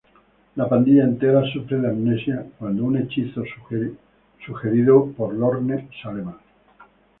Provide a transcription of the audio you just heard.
La pandilla entera sufre de amnesia cuando un hechizo sugerido por Lorne sale mal.